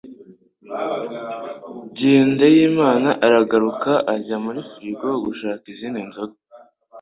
Jyendayimana arahaguruka ajya muri firigo gushaka izindi nzoga